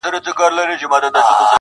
چي اسمان ورته نجات نه دی لیکلی-